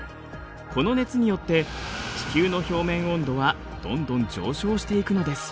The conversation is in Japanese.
この熱によって地球の表面温度はどんどん上昇していくのです。